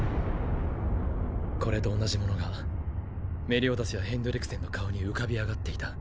これと同じものがメリオダスやヘンドリクセンの顔に浮かび上がっていた。